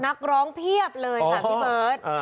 นักร้องเพียบเลยค่ะพี่เบิร์ต